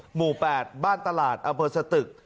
หมู่๘บ้านตลาดอำเภอสตึก